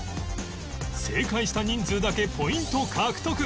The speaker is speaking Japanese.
正解した人数だけポイント獲得